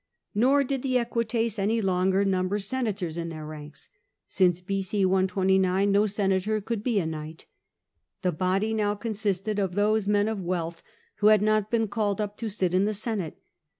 Nor did the Eqnites any longer number senators in their ranks ; since B.c. 129 no senator could be a knight. The body now consisted of those men of wealth who had not been called up to sit in the senate.